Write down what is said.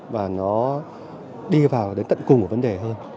và nó đi vào đến tận cùng vấn đề hơn